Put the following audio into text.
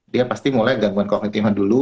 dia pasti mulai gangguan kognitif dulu